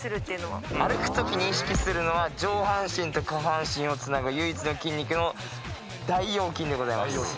歩く時に意識するのは上半身と下半身をつなぐ唯一の筋肉の大腰筋でございます。